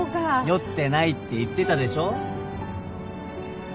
酔ってないって言ってたでしょ。